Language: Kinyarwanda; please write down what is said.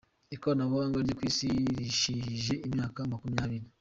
Ikoranabuhanga ryo Kw’isi ryijihije imyaka makumyabiri